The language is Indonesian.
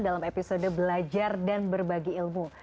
dalam episode belajar dan berbagi ilmu